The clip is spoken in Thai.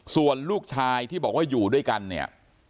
ส่วนลูกชายที่บอกว่าอยู่ด้วยกันเนี่ย